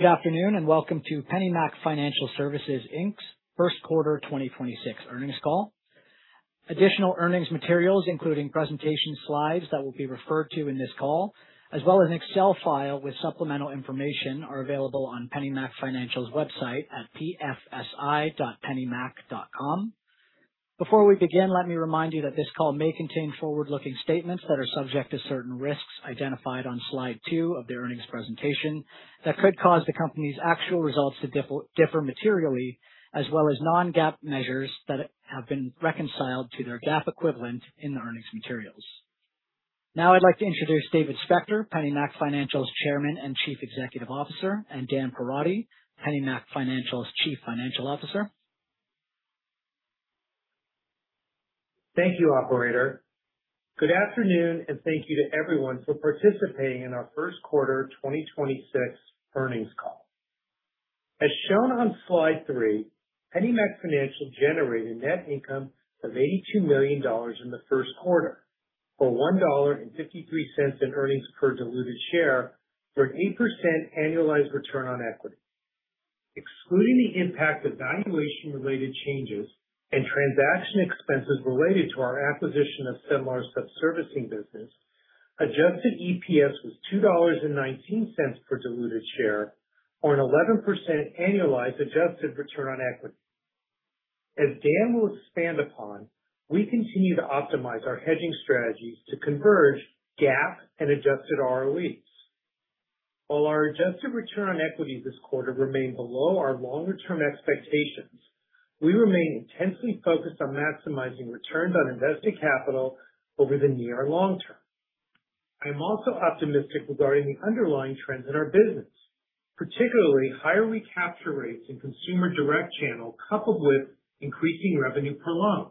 Good afternoon, and welcome to PennyMac Financial Services, Inc.'s First Quarter 2026 Earnings call. Additional earnings materials, including presentation slides that will be referred to in this call, as well as an Excel file with supplemental information, are available on PennyMac Financial website at pfsi.pennymac.com. Before we begin, let me remind you that this call may contain forward-looking statements that are subject to certain risks identified on slide two of the earnings presentation that could cause the company's actual results to differ materially as well as non-GAAP measures that have been reconciled to their GAAP equivalent in the earnings materials. Now I'd like to introduce David Spector, PennyMac Financial's Chairman and Chief Executive Officer, and Dan Perotti, PennyMac Financial's Chief Financial Officer. Thank you, operator. Good afternoon, thank you to everyone for participating in our first quarter 2026 earnings call. As shown on slide three, PennyMac Financial generated net income of $82 million in the first quarter for $1.53 in earnings per diluted share for an 8% annualized return on equity. Excluding the impact of valuation-related changes and transaction expenses related to our acquisition of Cenlar sub-servicing business, adjusted EPS was $2.19 per diluted share on an 11% annualized adjusted return on equity. As Dan will expand upon, we continue to optimize our hedging strategies to converge GAAP and adjusted ROEs. While our adjusted return on equity this quarter remained below our longer-term expectations, we remain intensely focused on maximizing returns on invested capital over the near long term. I am also optimistic regarding the underlying trends in our business, particularly higher recapture rates in consumer direct channel coupled with increasing revenue per loan.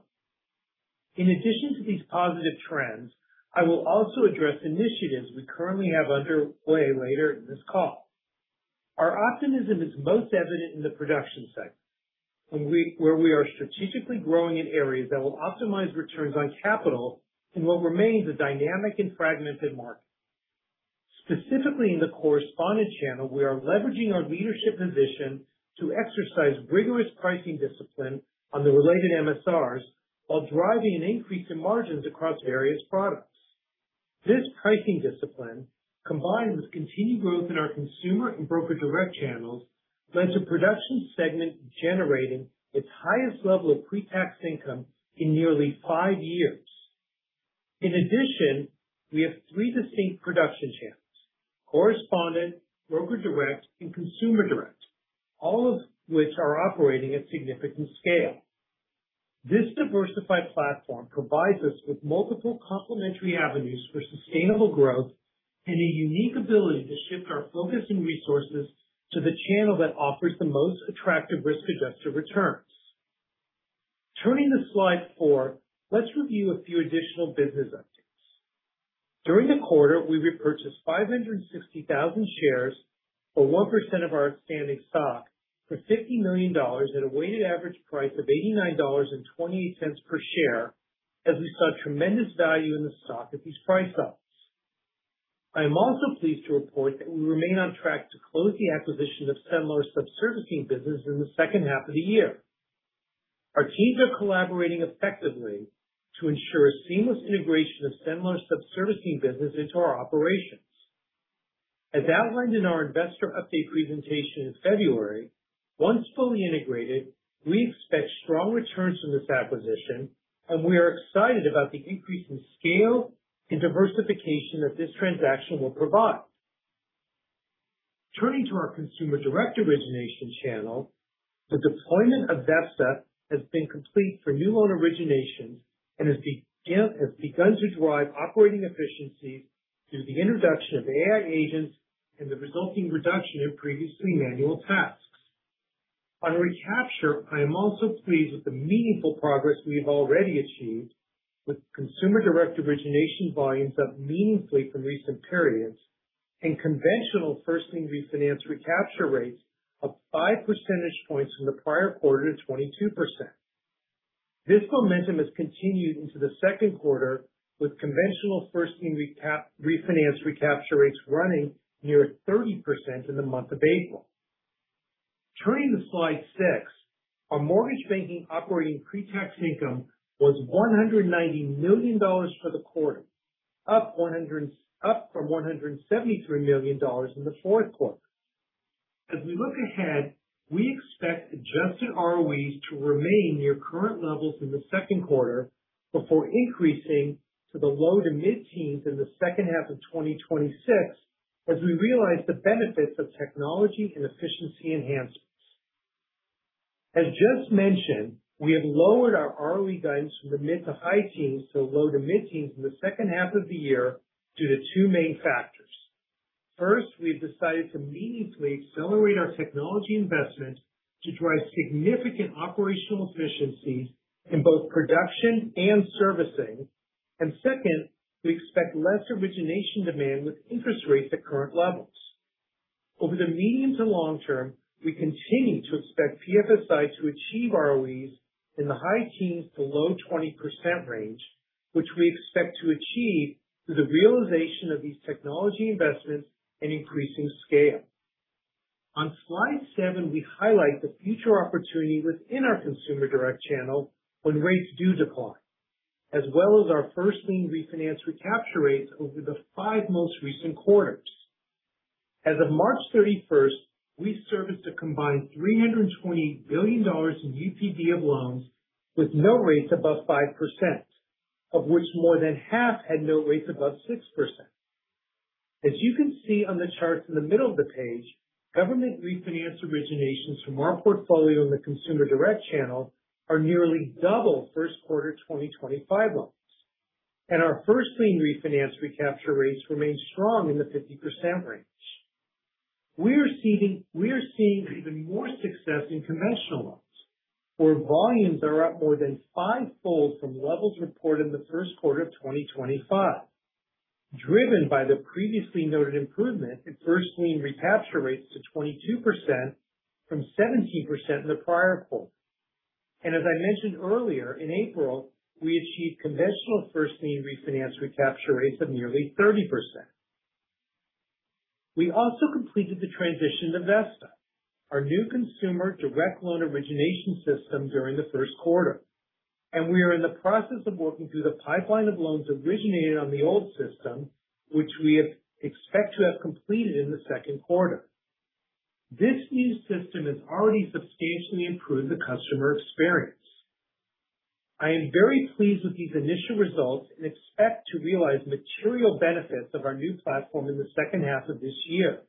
In addition to these positive trends, I will also address initiatives we currently have underway later in this call. Our optimism is most evident in the production sector, where we are strategically growing in areas that will optimize returns on capital in what remains a dynamic and fragmented market. Specifically, in the correspondent channel, we are leveraging our leadership position to exercise rigorous pricing discipline on the related MSRs while driving an increase in margins across various products. This pricing discipline, combined with continued growth in our consumer and broker direct channels, led to production segment generating its highest level of pre-tax income in nearly five years. In addition, we have three distinct production channels, correspondent, broker direct, and consumer direct, all of which are operating at significant scale. This diversified platform provides us with multiple complementary avenues for sustainable growth and a unique ability to shift our focus and resources to the channel that offers the most attractive risk-adjusted returns. Turning to slide four, let's review a few additional business updates. During the quarter, we repurchased 560,000 shares, or 1% of our outstanding stock, for $50 million at a weighted average price of $89.28 per share, as we saw tremendous value in the stock at these price levels. I am also pleased to report that we remain on track to close the acquisition of Cenlar sub-servicing business in the second half of the year. Our teams are collaborating effectively to ensure seamless integration of Cenlar sub-servicing business into our operations. As outlined in our investor update presentation in February, once fully integrated, we expect strong returns from this acquisition, and we are excited about the increase in scale and diversification that this transaction will provide. Turning to our consumer direct origination channel, the deployment of Vesta has been complete for new loan originations and has begun to drive operating efficiencies through the introduction of AI agents and the resulting reduction in previously manual tasks. On recapture, I am also pleased with the meaningful progress we have already achieved with consumer direct origination volumes up meaningfully from recent periods and conventional first lien refinance recapture rates up 5 percentage points from the prior quarter to 22%. This momentum has continued into the second quarter with conventional first lien recap-refinance recapture rates running near 30% in the month of April. Turning to slide six, our mortgage banking operating pre-tax income was $190 million for the quarter, up from $173 million in the fourth quarter. As we look ahead, we expect adjusted ROE to remain near current levels in the second quarter before increasing to the low- to mid-teens in the second half of 2026 as we realize the benefits of technology and efficiency enhancements. As just mentioned, we have lowered our ROE guidance from the mid- to high-teens to low- to mid-teens in the second half of the year due to the two main factors. First, we've decided to meaningfully accelerate our technology investments to drive significant operational efficiencies in both production and servicing. Second, we expect less origination demand with interest rates at current levels. Over the medium to long term, we continue to expect PFSI to achieve ROEs in the high teens to low 20% range. Which we expect to achieve through the realization of these technology investments and increasing scale. On slide seven, we highlight the future opportunity within our consumer direct channel when rates do decline, as well as our first lien refinance recapture rates over the five most recent quarters. As of March 31st, we serviced a combined $320 billion in UPB of loans with no rates above 5%, of which more than half had no rates above 6%. As you can see on the charts in the middle of the page, government refinance originations from our portfolio in the consumer direct channel are nearly double first quarter 2025 loans. Our first lien refinance recapture rates remain strong in the 50% range. We are seeing even more success in conventional loans, where volumes are up more than fivefold from levels reported in the first quarter of 2025, driven by the previously noted improvement in first lien recapture rates to 22% from 17% in the prior quarter. As I mentioned earlier, in April, we achieved conventional first lien refinance recapture rates of nearly 30%. We also completed the transition to Vesta, our new consumer direct loan origination system during the first quarter. We are in the process of working through the pipeline of loans originated on the old system, which we expect to have completed in the second quarter. This new system has already substantially improved the customer experience. I am very pleased with these initial results. I expect to realize material benefits of our new platform in the second half of this year.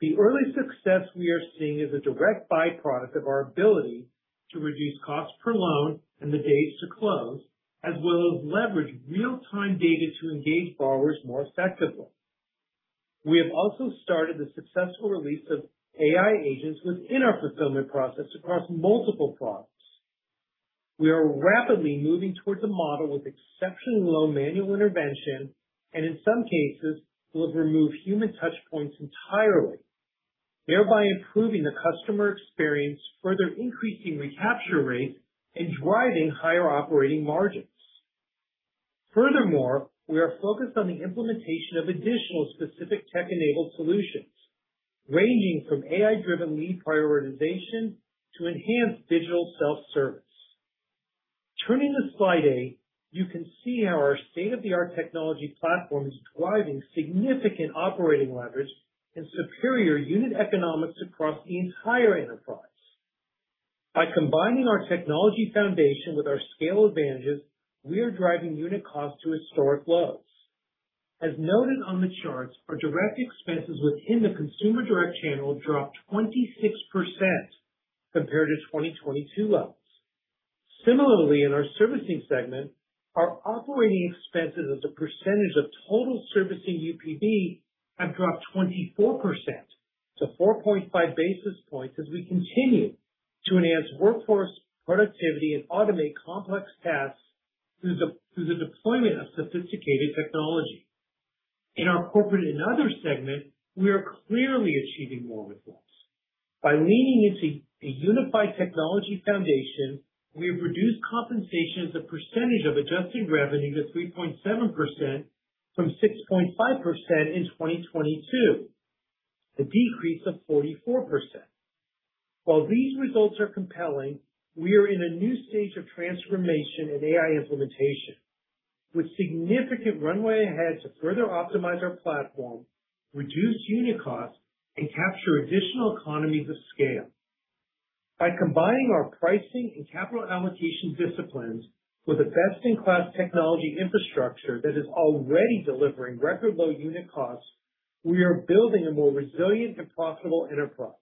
The early success we are seeing is a direct by-product of our ability to reduce cost per loan and the days to close, as well as leverage real-time data to engage borrowers more effectively. We have also started the successful release of AI agents within our fulfillment process across multiple products. We are rapidly moving towards a model with exceptionally low manual intervention and in some cases will have removed human touchpoints entirely, thereby improving the customer experience, further increasing recapture rates and driving higher operating margins. Furthermore, we are focused on the implementation of additional specific tech-enabled solutions, ranging from AI-driven lead prioritization to enhanced digital self-service. Turning to slide eight, you can see how our state-of-the-art technology platform is driving significant operating leverage and superior unit economics across the entire enterprise. By combining our technology foundation with our scale advantages, we are driving unit cost to historic lows. As noted on the charts, our direct expenses within the consumer direct channel dropped 26% compared to 2022 lows. Similarly, in our servicing segment, our operating expenses as a percentage of total servicing UPB have dropped 24% to 4.5 basis points as we continue to enhance workforce productivity and automate complex tasks through the deployment of sophisticated technology. In our corporate and other segment, we are clearly achieving more with less. By leaning into a unified technology foundation, we have reduced compensation as a percentage of adjusted revenue to 3.7% from 6.5% in 2022, a decrease of 44%. While these results are compelling, we are in a new stage of transformation and AI implementation with significant runway ahead to further optimize our platform, reduce unit cost, and capture additional economies of scale. By combining our pricing and capital allocation disciplines with a best-in-class technology infrastructure that is already delivering record low unit costs, we are building a more resilient and profitable enterprise.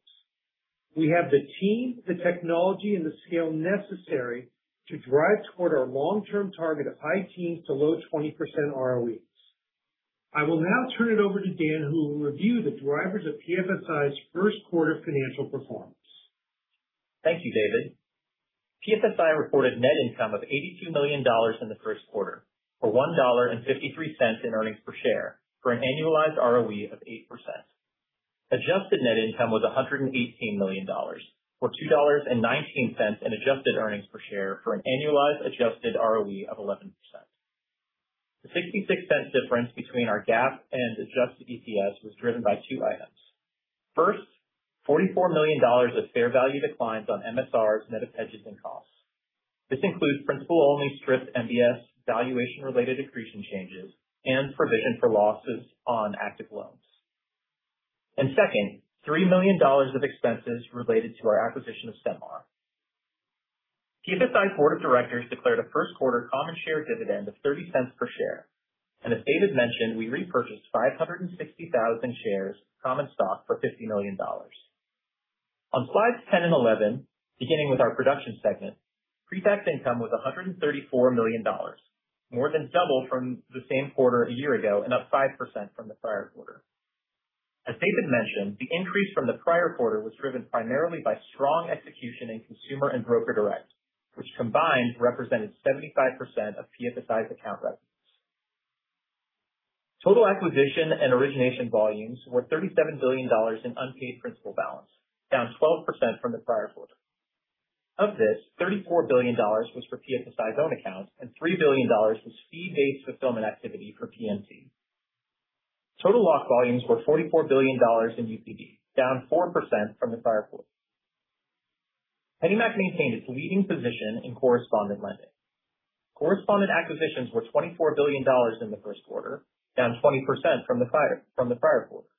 We have the team, the technology, and the scale necessary to drive toward our long-term target of high teens to low 20% ROEs. I will now turn it over to Dan, who will review the drivers of PFSI's first quarter financial performance. Thank you, David. PFSI reported net income of $82 million in the first quarter, for $1.53 in earnings per share for an annualized ROE of 8%. Adjusted net income was $118 million, for $2.19 in adjusted earnings per share for an annualized adjusted ROE of 11%. The $0.66 difference between our GAAP and adjusted EPS was driven by two items. First, $44 million of fair value declines on MSRs, net of hedges and costs. This includes principal-only stripped MBS, valuation-related accretion changes, and provision for losses on active loans. Second, $3 million of expenses related to our acquisition of Cenlar. PFSI board of directors declared a first quarter common share dividend of $0.30 per share. As David mentioned, we repurchased 560,000 shares of common stock for $50 million. On slides 10 and 11, beginning with our production segment, pre-tax income was $134 million, more than double from the same quarter a year ago and up 5% from the prior quarter. As David mentioned, the increase from the prior quarter was driven primarily by strong execution in consumer and broker direct, which combined represented 75% of PFSI's account revenues. Total acquisition and origination volumes were $37 billion in unpaid principal balance, down 12% from the prior quarter. Of this, $34 billion was for PFSI's own accounts and $3 billion was fee-based fulfillment activity for PMT. Total lock volumes were $44 billion in UPB, down 4% from the prior quarter. PennyMac maintained its leading position in correspondent lending. Correspondent acquisitions were $24 billion in the first quarter, down 20% from the prior quarter.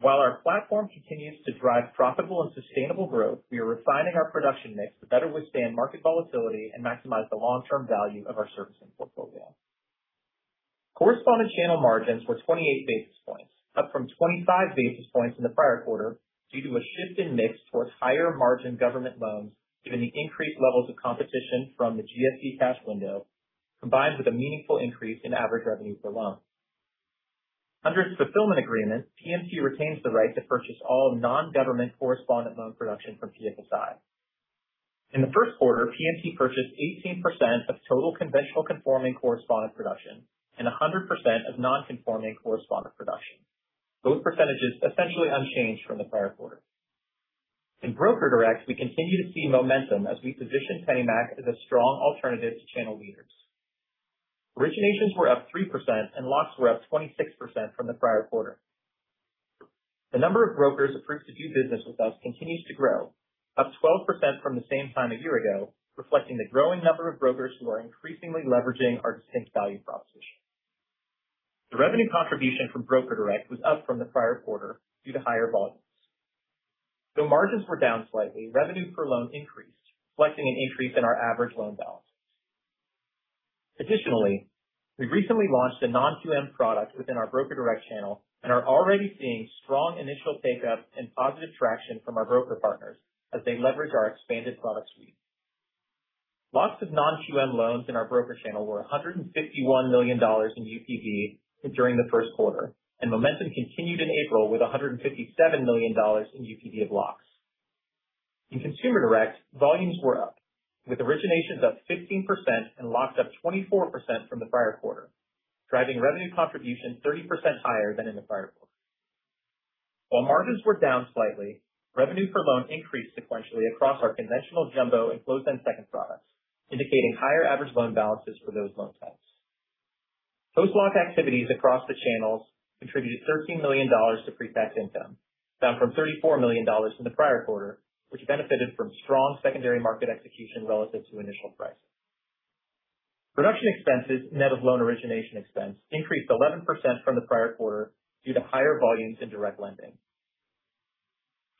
While our platform continues to drive profitable and sustainable growth, we are refining our production mix to better withstand market volatility and maximize the long-term value of our servicing portfolio. Correspondent channel margins were 28 basis points, up from 25 basis points in the prior quarter due to a shift in mix towards higher margin government loans given the increased levels of competition from the GSE cash window, combined with a meaningful increase in average revenue per loan. Under its fulfillment agreement, PMT retains the right to purchase all non-government correspondent loan production from PFSI. In the first quarter, PMT purchased 18% of total conventional conforming correspondent production and 100% of non-conforming correspondent production. Both percentages essentially unchanged from the prior quarter. In Broker Direct, we continue to see momentum as we position PennyMac as a strong alternative to channel leaders. Originations were up 3% and locks were up 26% from the prior quarter. The number of brokers approved to do business with us continues to grow, up 12% from the same time a year ago, reflecting the growing number of brokers who are increasingly leveraging our distinct value proposition. The revenue contribution from Broker Direct was up from the prior quarter due to higher volumes. Though margins were down slightly, revenue per loan increased, reflecting an increase in our average loan balance. Additionally, we recently launched a non-QM product within our Broker Direct channel and are already seeing strong initial take-up and positive traction from our broker partners as they leverage our expanded product suite. Lots of non-QM loans in our broker channel were $151 million in UPB during the first quarter, and momentum continued in April with $157 million in UPB of locks. In Consumer Direct, volumes were up, with originations up 15% and locks up 24% from the prior quarter, driving revenue contribution 30% higher than in the prior quarter. While margins were down slightly, revenue per loan increased sequentially across our conventional jumbo and closed-end second products, indicating higher average loan balances for those loan types. Post-lock activities across the channels contributed $13 million to pre-tax income, down from $34 million in the prior quarter, which benefited from strong secondary market execution relative to initial pricing. Production expenses, net of loan origination expense, increased 11% from the prior quarter due to higher volumes in direct lending.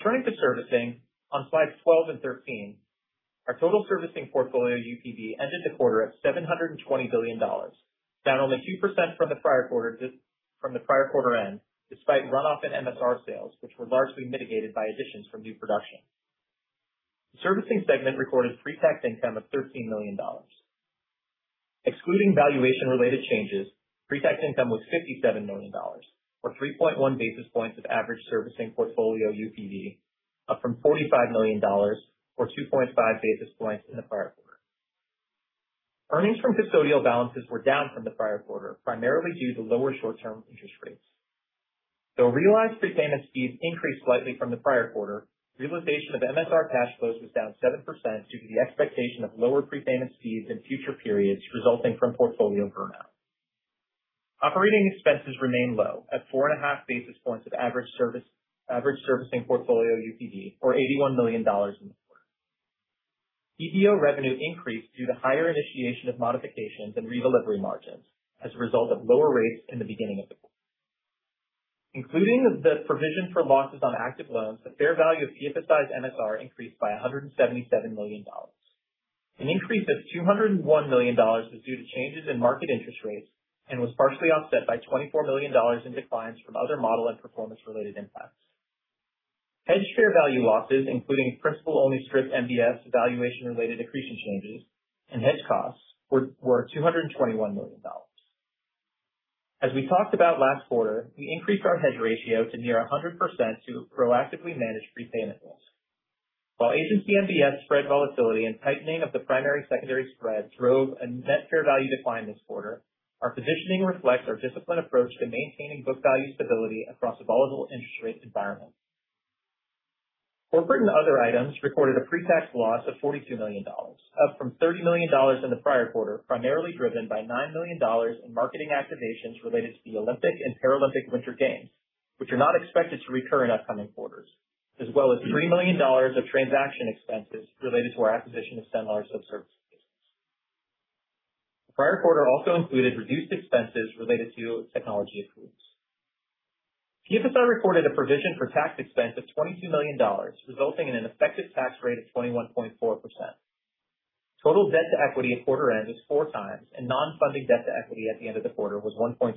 Turning to servicing, on slides 12 and 13, our total servicing portfolio UPB ended the quarter at $720 billion, down only 2% from the prior quarter end, despite runoff in MSR sales, which were largely mitigated by additions from new production. The servicing segment recorded pre-tax income of $13 million. Excluding valuation-related changes, pre-tax income was $57 million, or 3.1 basis points of average servicing portfolio UPB, up from $45 million or 2.5 basis points in the prior quarter. Earnings from custodial balances were down from the prior quarter, primarily due to lower short-term interest rates. Though realized prepayment speeds increased slightly from the prior quarter, realization of MSR cash flows was down 7% due to the expectation of lower prepayment speeds in future periods resulting from portfolio burnout. Operating expenses remain low at 4.5 basis points of average servicing portfolio UPB, or $81 million in the quarter. EPO revenue increased due to higher initiation of modifications and redelivery margins as a result of lower rates in the beginning of the quarter. Including the provision for losses on active loans, the fair value of PFSI's MSR increased by $177 million. An increase of $201 million was due to changes in market interest rates and was partially offset by $24 million in declines from other model and performance-related impacts. Hedge fair value losses, including principal-only strip MBS valuation-related accretion changes and hedge costs were $221 million. As we talked about last quarter, we increased our hedge ratio to near 100% to proactively manage prepayment risk. While agency MBS spread volatility and tightening of the primary/secondary spread drove a net fair value decline this quarter, our positioning reflects our disciplined approach to maintaining book value stability across a volatile interest rate environment. Corporate and other items recorded a pre-tax loss of $42 million, up from $30 million in the prior quarter, primarily driven by $9 million in marketing activations related to the Olympic and Paralympic Winter Games, which are not expected to recur in upcoming quarters, as well as $3 million of transaction expenses related to our acquisition of Cenlar subservicing business. The prior quarter also included reduced expenses related to technology improvements. PFSI recorded a provision for tax expense of $22 million, resulting in an effective tax rate of 21.4%. Total debt to equity at quarter end is 4x and non-funding debt to equity at the end of the quarter was 1.7x.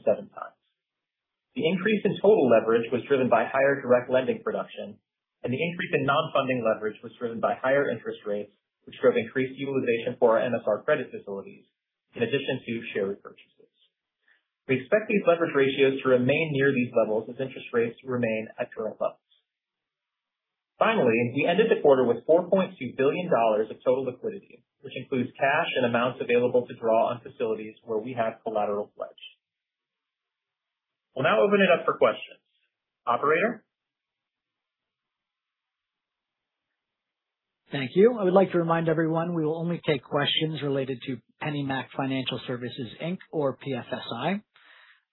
The increase in total leverage was driven by higher direct lending production and the increase in non-funding leverage was driven by higher interest rates, which drove increased utilization for our MSR credit facilities in addition to share repurchases. We expect these leverage ratios to remain near these levels as interest rates remain at current levels. Finally, we ended the quarter with $4.2 billion of total liquidity, which includes cash and amounts available to draw on facilities where we have collateral pledged. We'll now open it up for questions. Operator? Thank you. I would like to remind everyone we will only take questions related to PennyMac Financial Services, Inc. or PFSI.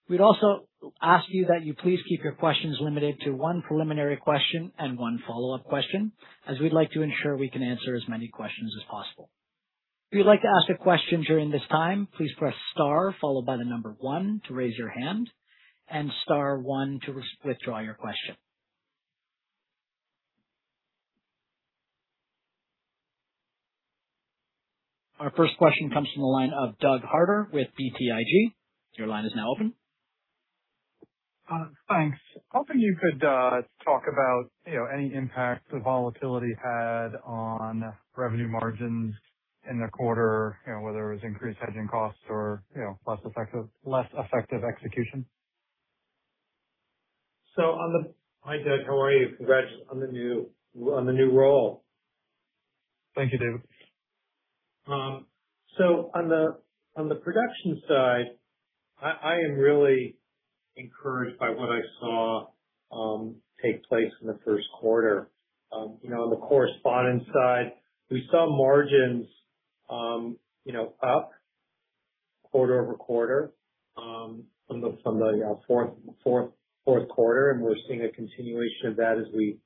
We'd also ask you that you please keep your questions limited to one preliminary question and one follow-up question, as we'd like to ensure we can answer as many questions as possible. If you'd like to ask a question during this time, please press star followed by the number one to raise your hand and star one to withdraw your question. Our first question comes from the line of Doug Harter with BTIG. Your line is now open. Thanks. Hoping you could talk about, you know, any impact the volatility had on revenue margins in the quarter, whether it was increased hedging costs or, you know, less effective execution. Hi, Doug. How are you? Congrats on the new role. Thank you, David. On the, on the production side, I am really encouraged by what I saw take place in the first quarter. You know, on the correspondence side, we saw margins, you know, up quarter-over-quarter from the fourth quarter, and we're seeing a continuation of that as we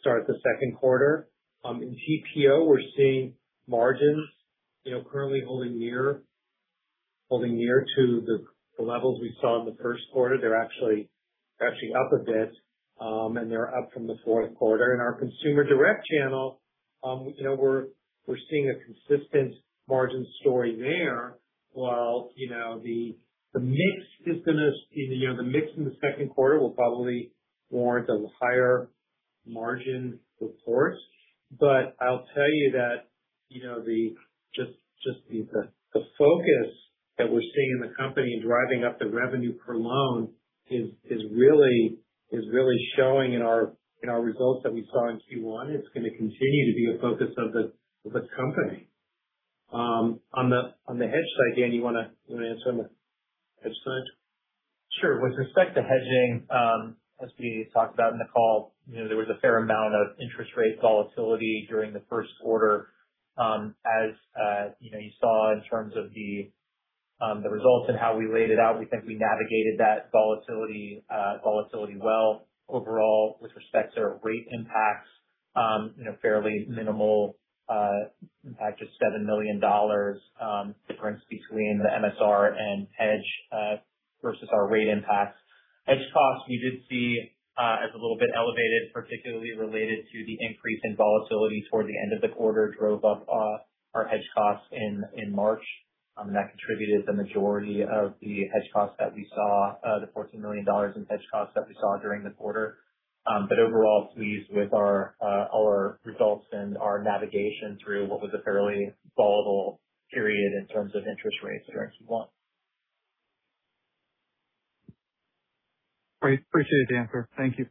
start the second quarter. In BPO, we're seeing margins, you know, currently holding near to the levels we saw in the first quarter. They're actually up a bit, they're up from the fourth quarter. In our consumer direct channel, you know, we're seeing a consistent margin story there. While, you know, the mix is gonna see the mix in the second quarter will probably warrant a higher margin of course. I'll tell you that, you know, the just the focus that we're seeing in the company driving up the revenue per loan is really showing in our results that we saw in Q1. It's gonna continue to be a focus of the company. On the hedge side, Dan, you wanna answer on the hedge side? Sure. With respect to hedging, as we talked about in the call, you know, there was a fair amount of interest rate volatility during the first quarter. As, you know, you saw in terms of the results and how we laid it out, we think we navigated that volatility well overall with respect to rate impacts. You know, fairly minimal impact of $7 million difference between the MSR and hedge versus our rate impacts. Hedge costs we did see as a little bit elevated, particularly related to the increase in volatility toward the end of the quarter, drove up our hedge costs in March. That contributed the majority of the hedge costs that we saw, the $14 million in hedge costs that we saw during the quarter. Overall pleased with our results and our navigation through what was a fairly volatile period in terms of interest rates during Q1. Appreciate it, Dan. Thank you.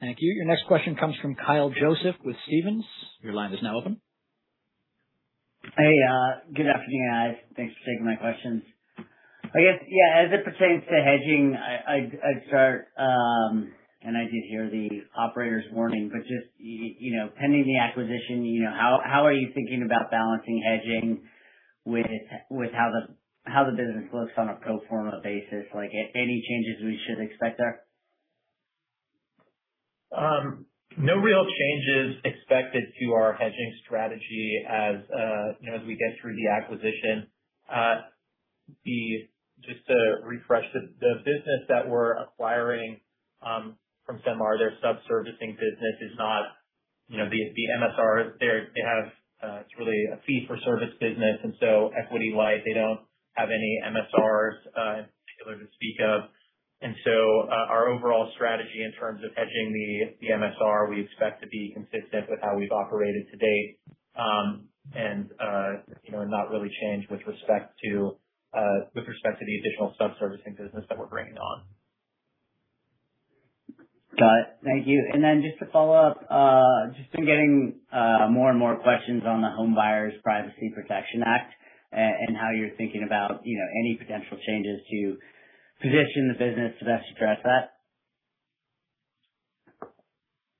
Thank you. Your next question comes from Kyle Joseph with Stephens. Your line is now open. Hey, good afternoon, guys. Thanks for taking my questions. I guess, yeah, as it pertains to hedging, I'd start, and I did hear the operator's warning, but just, you know, pending the acquisition, you know, how are you thinking about balancing hedging with how the business looks on a pro forma basis? Like, any changes we should expect there? No real changes expected to our hedging strategy as we get through the acquisition. Just to refresh, the business that we're acquiring from Cenlar, their sub-servicing business is not the MSRs. They have, it's really a fee for service business, and so equity-wise, they don't have any MSRs in particular to speak of. Our overall strategy in terms of hedging the MSR, we expect to be consistent with how we've operated to date, and you know, not really change with respect to the additional sub-servicing business that we're bringing on. Got it. Thank you. Just to follow up, just been getting more and more questions on the Homebuyers Privacy Protection Act and how you're thinking about, you know, any potential changes to position the business to best address that?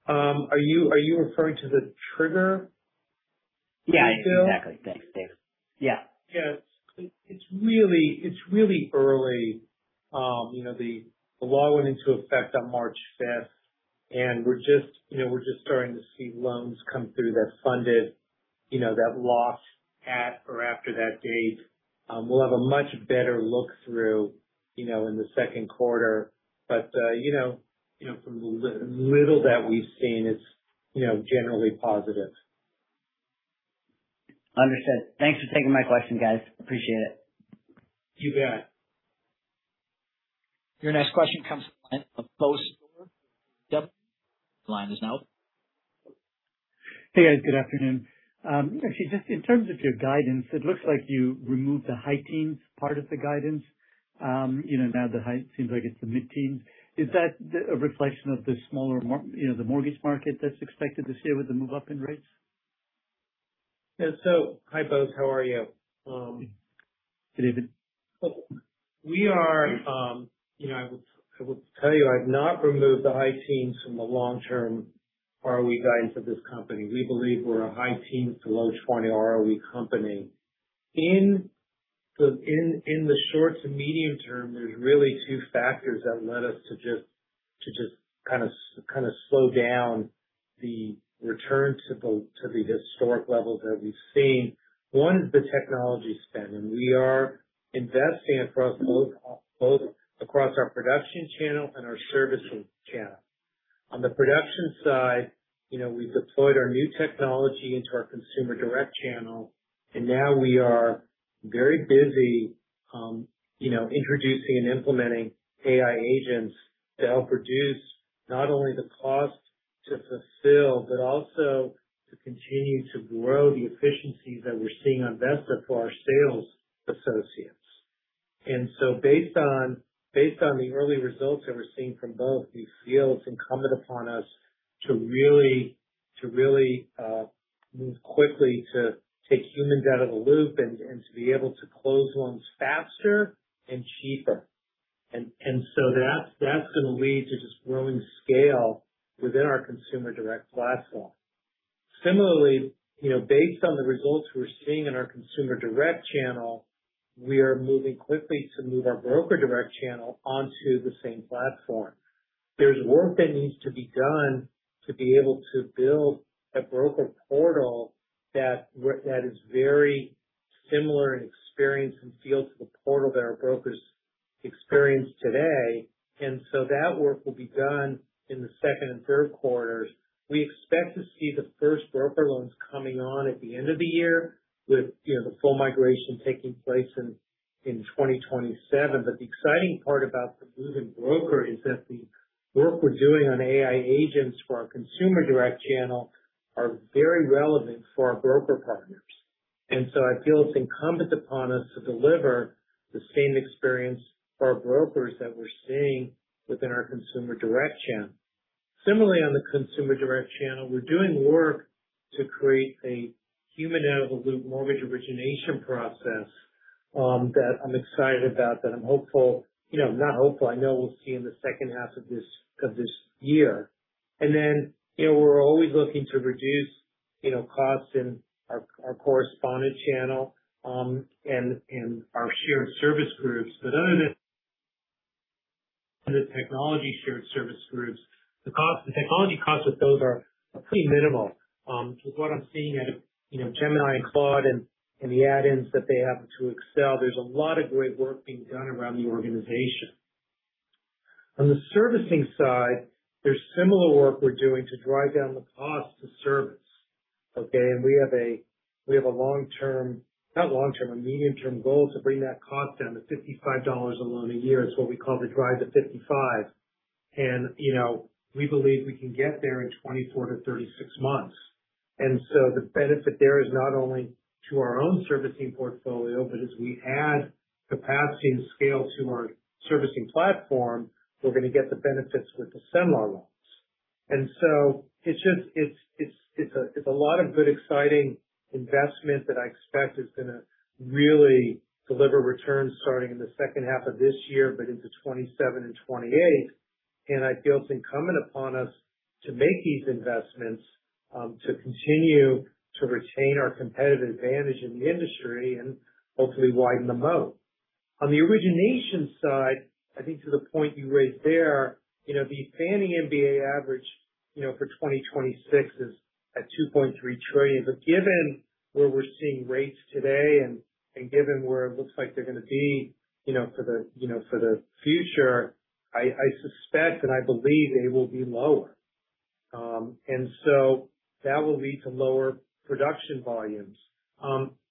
Are you referring to the trigger? Yeah. -component? Exactly. Thanks, Dave. Yeah. Yeah. It's really early. You know, the law went into effect on March 5th, we're just, you know, we're just starting to see loans come through that funded, you know, that locked at or after that date. We'll have a much better look through, you know, in the second quarter. You know, from the little that we've seen, it's, you know, generally positive. Understood. Thanks for taking my question, guys. Appreciate it. You bet. Your next question comes from the line of Bose George with KBW. Your line is now open. Hey, guys. Good afternoon. Actually, just in terms of your guidance, it looks like you removed the high teens part of the guidance. You know, now seems like it's the mid-teens. Is that the reflection of the smaller, you know, the mortgage market that's expected to stay with the move-up in rates? Yeah. Hi, Bose. How are you? Good evening. We are, you know, I would tell you I've not removed the high teens from the long-term ROE guidance of this company. We believe we're a high teens to low 20 ROE company. In the short to medium term, there's really two factors that led us to just kind of slow down the return to the historic levels that we've seen. One is the technology spend. We are investing across both across our production channel and our servicing channel. On the production side, you know, we deployed our new technology into our consumer direct channel and now we are very busy, you know, introducing and implementing AI agents to help reduce not only the cost to fulfill, but also to continue to grow the efficiencies that we're seeing on Vesta for our sales associates. Based on the early results that we're seeing from both, we feel it's incumbent upon us to really move quickly to take humans out of the loop and to be able to close loans faster and cheaper. That's gonna lead to just growing scale within our consumer direct platform. Similarly, you know, based on the results we're seeing in our consumer direct channel, we are moving quickly to move our broker direct channel onto the same platform. There's work that needs to be done to be able to build a broker portal that is very similar in experience and feel to the portal that our brokers experience today. That work will be done in the second and third quarters. We expect to see the first broker loans coming on at the end of the year with, you know, the full migration taking place in 2027. The exciting part about the moving broker is that the work we're doing on AI agents for our consumer direct channel are very relevant for our broker partners. I feel it's incumbent upon us to deliver the same experience for our brokers that we're seeing within our consumer direct channel. Similarly, on the consumer direct channel, we're doing work to create a human-out-of-the-loop mortgage origination process that I'm excited about, that I'm hopeful, you know, not hopeful, I know we'll see in the second half of this year. Then, you know, we're always looking to reduce, you know, costs in our correspondent channel and our shared service groups. Other than the technology shared service groups, the cost, the technology costs with those are pretty minimal. With what I'm seeing out of, you know, Gemini and Claude and the add-ins that they have to Excel, there's a lot of great work being done around the organization. On the servicing side, there's similar work we're doing to drive down the cost to service. We have a long-term, not long-term, a medium-term goal to bring that cost down to $55 a loan a year. It's what we call the Drive to 55. You know, we believe we can get there in 24-36 months. The benefit there is not only to our own servicing portfolio, but as we add capacity and scale to our servicing platform, we're gonna get the benefits with the Cenlar loans. It's just, it's a lot of good, exciting investment that I expect is gonna really deliver returns starting in the second half of this year, but into 2027 and 2028. I feel it's incumbent upon us to make these investments to continue to retain our competitive advantage in the industry and hopefully widen the moat. On the origination side, I think to the point you raised there, you know, the Fannie and VA average, you know, for 2026 is at $2.3 trillion. Given where we're seeing rates today and given where it looks like they're gonna be, you know, for the, you know, for the future, I suspect and I believe they will be lower. That will lead to lower production volumes.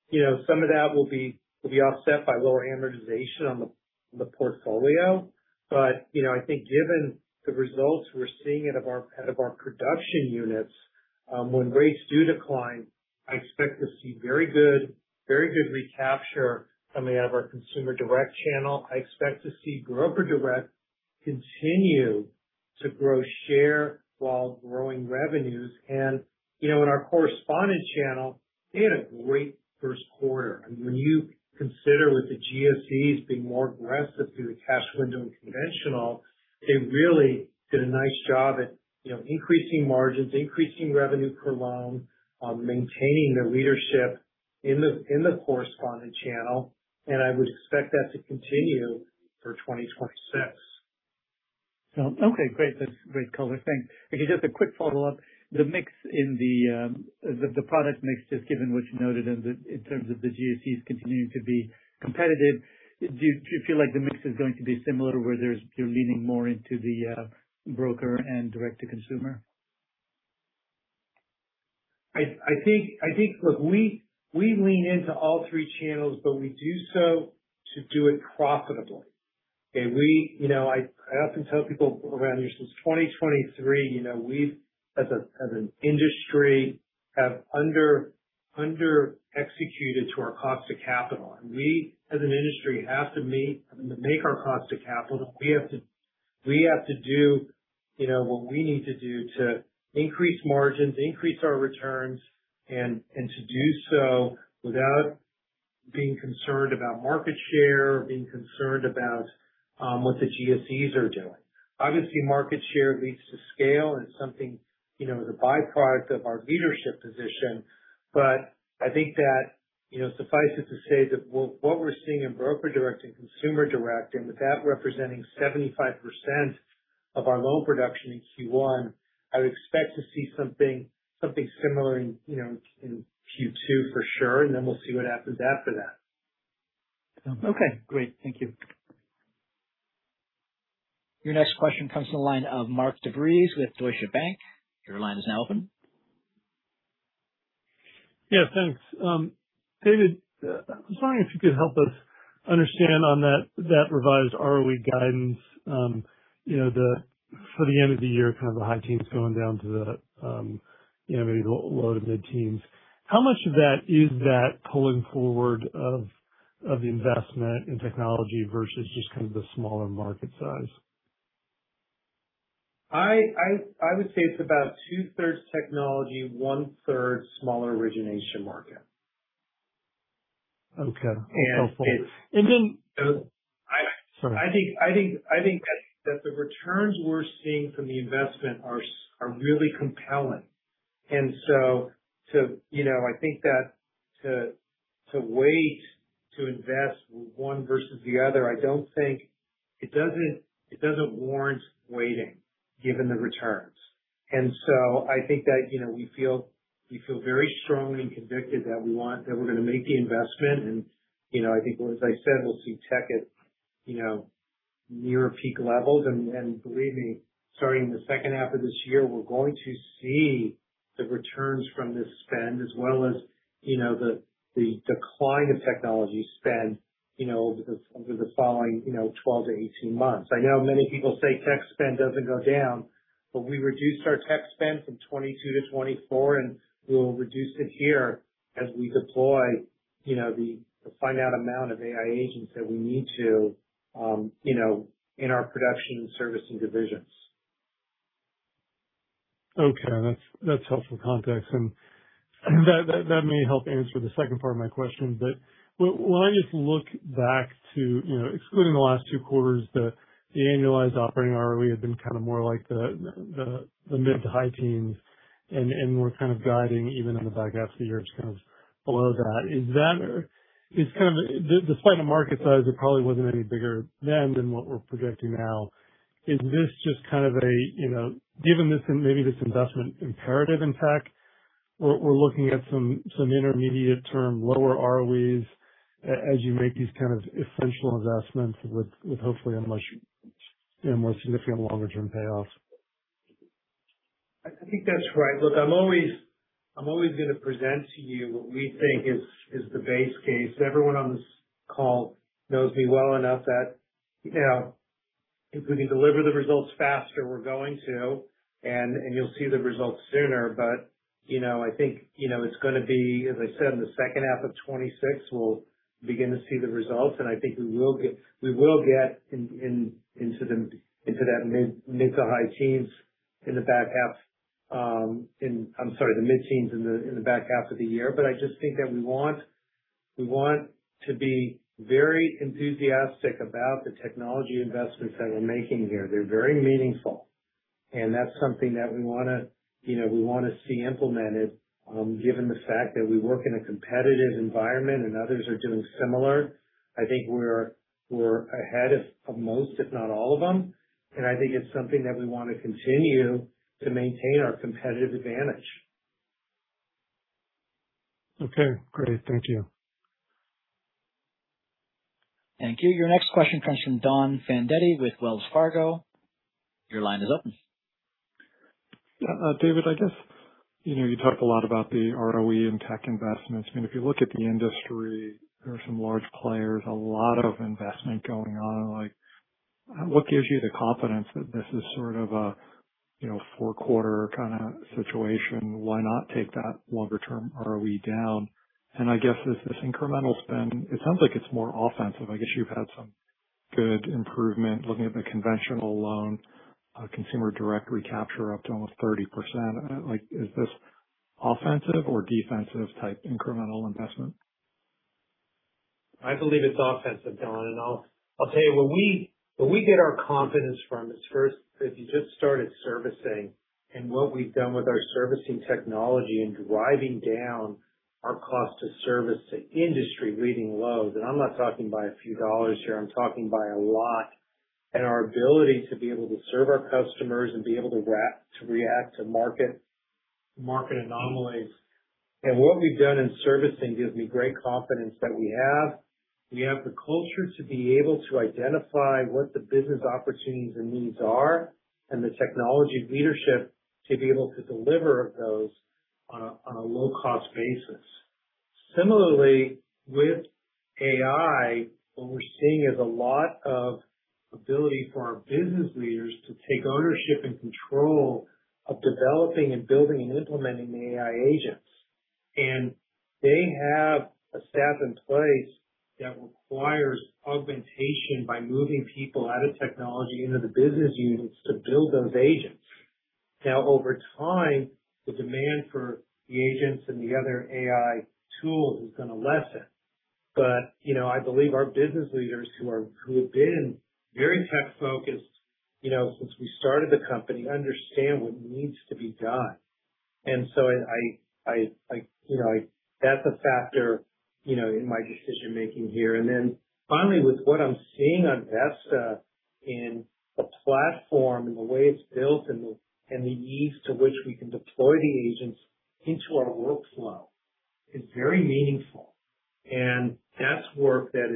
You know, some of that will be offset by lower amortization on the portfolio. You know, I think given the results we're seeing out of our production units, when rates do decline, I expect to see very good, very good recapture coming out of our consumer direct channel. I expect to see broker direct continue to grow share while growing revenues. You know, in our correspondent channel, they had a great first quarter. I mean, when you consider with the GSEs being more aggressive through the cash window and conventional, they really did a nice job at, you know, increasing margins, increasing revenue per loan, maintaining their leadership in the correspondent channel, and I would expect that to continue for 2026. Okay, great. That's great color. Thanks. Okay, just a quick follow-up. The mix in the product mix, just given what you noted in terms of the GSEs continuing to be competitive, do you feel like the mix is going to be similar where you're leaning more into the broker and direct-to-consumer? I think, I think, we lean into all three channels, but we do so to do it profitably. Okay. You know, I often tell people around here, since 2023, you know, we've as an industry, have under executed to our cost of capital. We, as an industry, have to make our cost of capital. We have to do, you know, what we need to do to increase margins, increase our returns, and to do so without being concerned about market share or being concerned about what the GSEs are doing. Obviously, market share leads to scale and something, you know, is a byproduct of our leadership position. I think that, you know, suffice it to say that what we're seeing in broker direct and consumer direct, and with that representing 75% of our loan production in Q1, I would expect to see something similar in, you know, in Q2 for sure, and then we'll see what happens after that. Okay, great. Thank you. Your next question comes from the line of Mark DeVries with Deutsche Bank. Your line is now open. Yeah, thanks. David, I was wondering if you could help us understand on that revised ROE guidance, you know, the for the end of the year, kind of the high teens going down to the, you know, maybe low to mid-teens. How much of that is that pulling forward of investment in technology versus just kind of the smaller market size? I would say it's about 2/3 technology, 1/3 smaller origination market. Okay. That's helpful. And it's- And then- I think, I think- Sorry. I think that the returns we're seeing from the investment are really compelling. You know, I think that to wait to invest one versus the other. I don't think, it doesn't warrant waiting given the returns. I think that, you know, we feel very strongly and convicted that we're gonna make the investment. You know, I think, as I said, we'll see tech at, you know, near peak levels. Believe me, starting in the second half of this year, we're going to see the returns from this spend as well as, you know, the decline of technology spend, you know, over the following, you know, 12-18 months. I know many people say tech spend doesn't go down, but we reduced our tech spend from 22 to 24, and we'll reduce it here as we deploy, you know, the finite amount of AI agents that we need to, you know, in our production servicing divisions. Okay. That's helpful context. That may help answer the second part of my question. When I just look back to, you know, excluding the last two quarters, the annualized operating ROE had been kind of more like the mid-to-high teens. We're kind of guiding even in the back half of the year, it's kind of below that. It's kind of the despite the market size, it probably wasn't any bigger then than what we're projecting now. Is this just kind of a, you know, given this, maybe, investment imperative in tech, we're looking at some intermediate-term lower ROEs as you make these kind of essential investments with hopefully a much, you know, more significant longer-term payoffs. I think that's right. Look, I'm always, I'm always going to present to you what we think is the base case. Everyone on this call knows me well enough that, you know, if we can deliver the results faster, we're going to, and you'll see the results sooner. You know, I think, you know, it's going to be, as I said, in the second half of 2026, we'll begin to see the results, and I think we will get into that mid to high teens in the back half, I'm sorry, the mid-teens in the back half of the year. I just think that we want to be very enthusiastic about the technology investments that we're making here. They're very meaningful. That's something that we wanna, you know, we wanna see implemented, given the fact that we work in a competitive environment and others are doing similar. I think we're ahead of most, if not all of them. I think it's something that we want to continue to maintain our competitive advantage. Okay, great. Thank you. Thank you. Your next question comes from Don Fandetti with Wells Fargo. Your line is open. David, I guess, you know, you talk a lot about the ROE and tech investments. I mean, if you look at the industry, there are some large players, a lot of investment going on. Like, what gives you the confidence that this is sort of a, you know, four-quarter kind of situation? Why not take that longer-term ROE down? I guess this incremental spend, it sounds like it's more offensive. I guess you've had some good improvement looking at the conventional loan, consumer direct recapture up to almost 30%. Like, is this offensive or defensive type incremental investment? I believe it's offensive, Don, you know. I'll tell you, where we, where we get our confidence from is first, if you just started servicing and what we've done with our servicing technology and driving down our cost of service to industry-leading lows, I'm not talking by a few dollars here, I'm talking by a lot. Our ability to be able to serve our customers and be able to react to market anomalies. What we've done in servicing gives me great confidence that we have, we have the culture to be able to identify what the business opportunities and needs are and the technology leadership to be able to deliver those on a, on a low-cost basis. Similarly, with AI, what we're seeing is a lot of ability for our business leaders to take ownership and control of developing and building and implementing the AI agents. They have a staff in place that requires augmentation by moving people out of technology into the business units to build those agents. Now, over time, the demand for the agents and the other AI tools is going to lessen. You know, I believe our business leaders who have been very tech-focused, you know, since we started the company understand what needs to be done. I, I, you know, I, that's a factor, you know, in my decision-making here. Then finally, with what I'm seeing on Vesta in the platform and the way it's built and the ease to which we can deploy the agents into our workflow is very meaningful. That's work that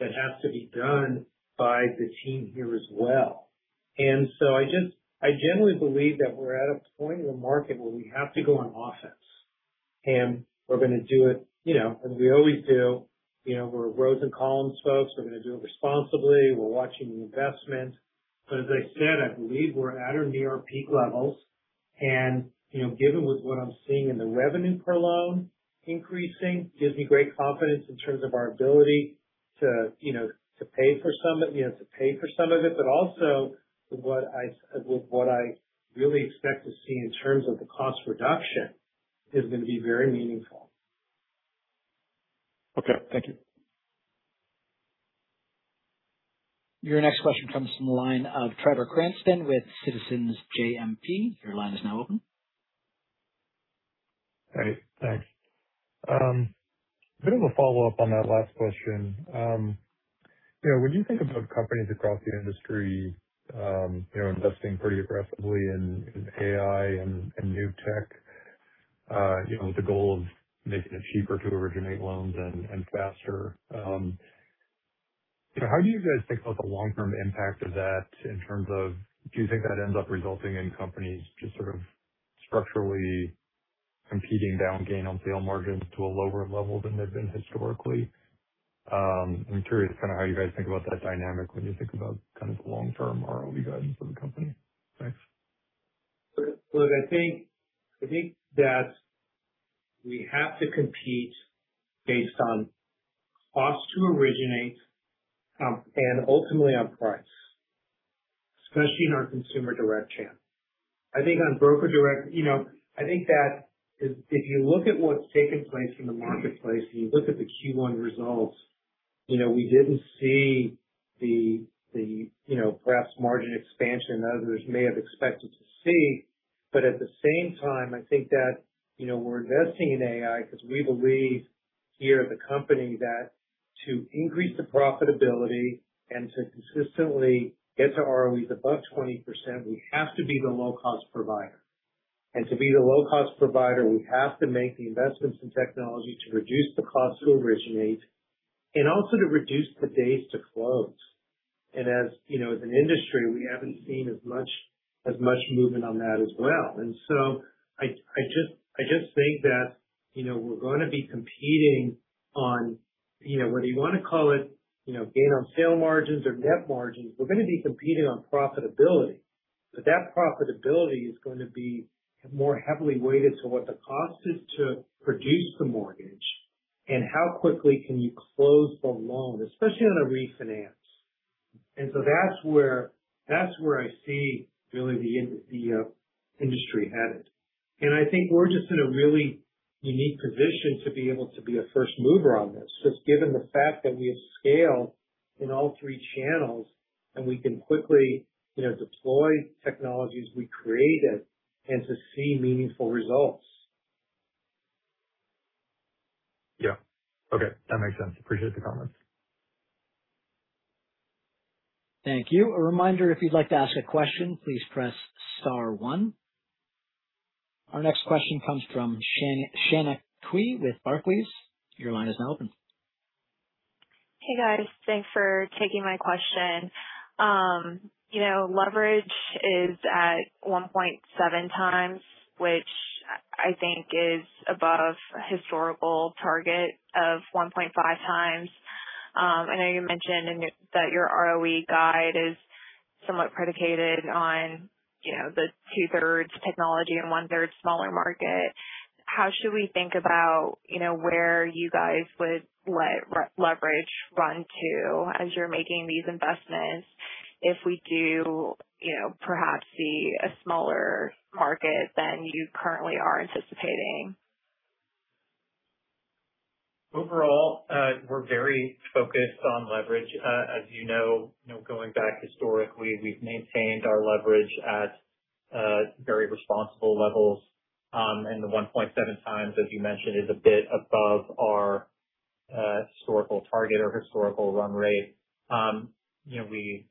has to be done by the team here as well. I generally believe that we're at a point in the market where we have to go on offense, and we're going to do it, you know, as we always do. You know, we're rows and columns folks. We're going to do it responsibly. We're watching the investment. As I said, I believe we're at or near peak levels. You know, given with what I'm seeing in the revenue per loan increasing gives me great confidence in terms of our ability to, you know, to pay for some of it. Also with what I really expect to see in terms of the cost reduction is going to be very meaningful. Okay. Thank you. Your next question comes from the line of Trevor Cranston with Citizens JMP. Your line is now open. Hey, thanks. Bit of a follow-up on that last question. You know, when you think about companies across the industry, you know, investing pretty aggressively in AI and new tech, you know, with the goal of making it cheaper to originate loans and faster. You know, how do you guys think about the long-term impact of that in terms of do you think that ends up resulting in companies just sort of structurally competing down gain on sale margins to a lower level than they've been historically? I'm curious kind of how you guys think about that dynamic when you think about kind of the long-term ROE guidance for the company. Thanks. Look, I think that we have to compete based on cost to originate and ultimately on price, especially in our consumer direct channel. I think on broker direct, you know, I think that if you look at what's taken place in the marketplace and you look at the Q1 results, you know, we didn't see the, you know, perhaps margin expansion others may have expected to see. At the same time, I think that, you know, we're investing in AI because we believe here at the company that to increase the profitability and to consistently get to ROEs above 20%, we have to be the low-cost provider. To be the low-cost provider, we have to make the investments in technology to reduce the cost to originate and also to reduce the days to close. As, you know, as an industry, we haven't seen as much movement on that as well. I just think that, you know, we're going to be competing on, you know, whether you want to call it, you know, gain on sale margins or net margins, we're going to be competing on profitability. That profitability is going to be more heavily weighted to what the cost is to produce the mortgage and how quickly can you close the loan, especially on a refinance. That's where I see really the industry headed. I think we're just in a really unique position to be able to be a first mover on this, just given the fact that we have scale in all three channels, and we can quickly, you know, deploy technologies we created and to see meaningful results. Yeah. Okay. That makes sense. Appreciate the comments. Thank you. A reminder, if you'd like to ask a question, please press star one. Our next question comes from Shanna Qiu with Barclays. Your line is now open. Hey, guys. Thanks for taking my question. You know, leverage is at 1.7x, which I think is above historical target of 1.5x. I know you mentioned that your ROE guide is somewhat predicated on, you know, the 2/3 technology and 1/3 smaller market. How should we think about, you know, where you guys would let re-leverage run to as you're making these investments if we do, you know, perhaps see a smaller market than you currently are anticipating? Overall, we're very focused on leverage. As you know, you know, going back historically, we've maintained our leverage at very responsible levels. The 1.7x, as you mentioned, is a bit above our historical target or historical run rate. You know,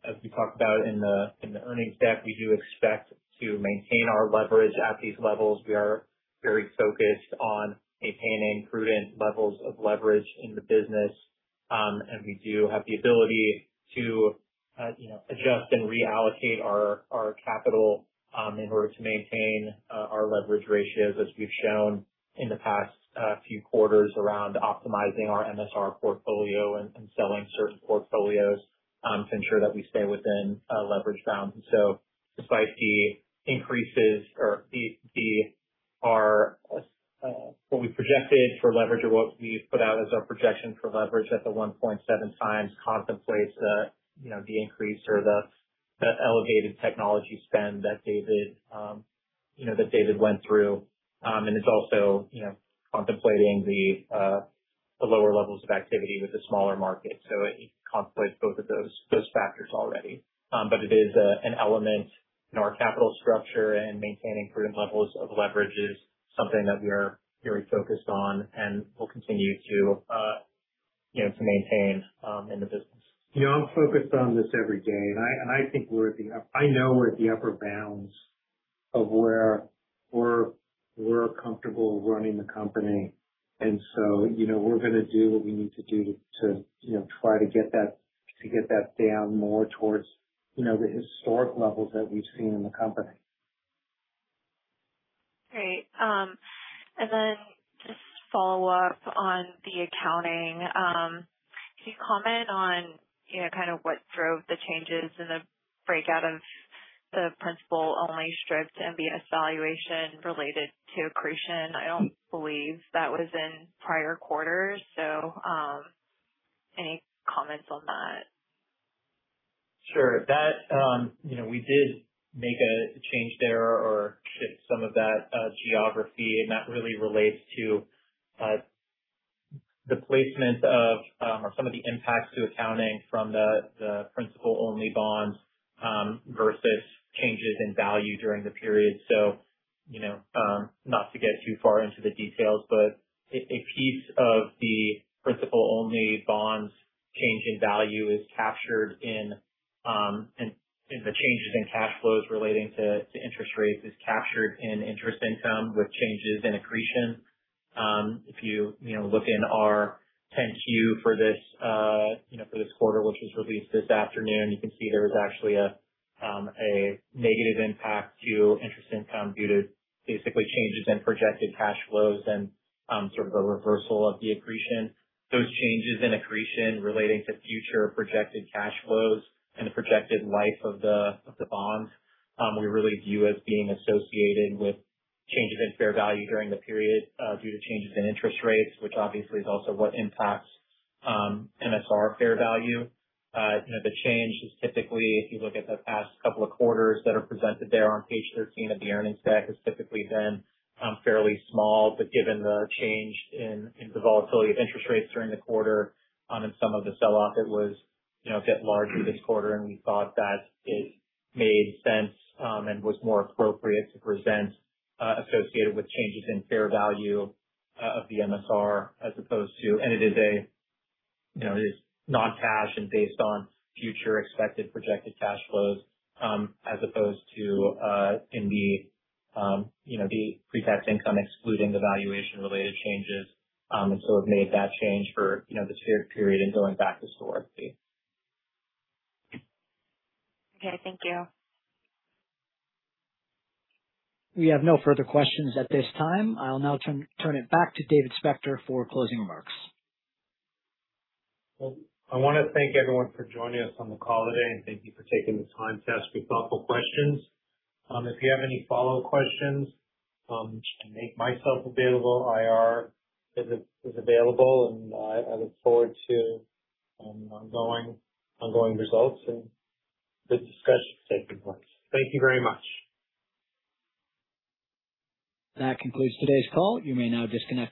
as we talked about in the earnings deck, we do expect to maintain our leverage at these levels. We are very focused on maintaining prudent levels of leverage in the business. We do have the ability to, you know, adjust and reallocate our capital in order to maintain our leverage ratios as we've shown in the past few quarters around optimizing our MSR portfolio and selling certain portfolios to ensure that we stay within leverage bounds. Despite the increases or our what we projected for leverage or what we put out as our projection for leverage at the 1.7x contemplates the, you know, the increase or the elevated technology spend that David, you know, that David went through. It's also, you know, contemplating the lower levels of activity with the smaller market. It contemplates both of those factors already. It is an element in our capital structure, and maintaining prudent levels of leverage is something that we are very focused on and will continue to, you know, to maintain in the business. You know, I'm focused on this every day, and I think we're at the upper bounds of where we're comfortable running the company. You know, we're gonna do what we need to do to, you know, try to get that down more towards, you know, the historic levels that we've seen in the company. Great. Just follow up on the accounting. Can you comment on, you know, kind of what drove the changes in the breakout of the principal-only stripped MBS valuation related to accretion? I don't believe that was in prior quarters, so, any comments on that? Sure. That, you know, we did make a change there or shift some of that geography, and that really relates to the placement of or some of the impacts to accounting from the principal-only bonds versus changes in value during the period. You know, not to get too far into the details, but a piece of the principal-only bonds change in value is captured in in the changes in cash flows relating to interest rates is captured in interest income with changes in accretion. If you know, look in our 10-Q for this, you know, for this quarter, which was released this afternoon, you can see there was actually a negative impact to interest income due to basically changes in projected cash flows and sort of a reversal of the accretion. Those changes in accretion relating to future projected cash flows and the projected life of the, of the bonds, we really view as being associated with changes in fair value during the period, due to changes in interest rates, which obviously is also what impacts MSR fair value. You know, the change is typically, if you look at the past couple of quarters that are presented there on page 13 of the earnings deck, has typically been fairly small. Given the change in the volatility of interest rates during the quarter, and some of the sell-off, it was, you know, a bit larger this quarter, and we thought that it made sense and was more appropriate to present associated with changes in fair value of the MSR. I supposed to, it is a, you know, it is non-cash and based on future expected projected cash flows, as opposed to in the, you know, the pre-tax income excluding the valuation related changes. We've made that change for, you know, the per-period and going back historically. Okay. Thank you. We have no further questions at this time. I'll now turn it back to David Spector for closing remarks. Well, I wanna thank everyone for joining us on the call today. Thank you for taking the time to ask these thoughtful questions. If you have any follow questions, I can make myself available. IR is available. I look forward to ongoing results and the discussions that take place. Thank you very much. That concludes today's call. You may now disconnect.